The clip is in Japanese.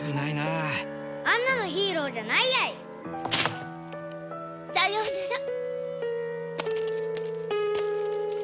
あんなのヒーローじゃないやい！さようなら。